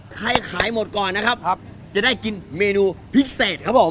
ขายหมดก่อนนะครับจะได้กินเมนูพิเศษครับผม